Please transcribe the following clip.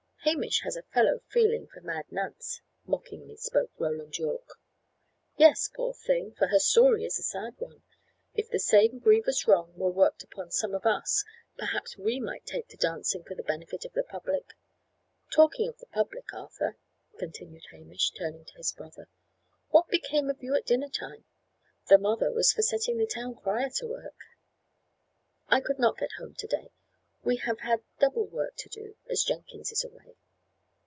"Hamish has a fellow feeling for Mad Nance," mockingly spoke Roland Yorke. "Yes, poor thing! for her story is a sad one. If the same grievous wrong were worked upon some of us, perhaps we might take to dancing for the benefit of the public. Talking of the public, Arthur," continued Hamish, turning to his brother, "what became of you at dinner time? The mother was for setting the town crier to work." "I could not get home to day. We have had double work to do, as Jenkins is away."